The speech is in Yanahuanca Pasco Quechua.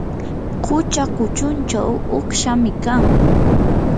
qucha kuchunchaw uqshami kan.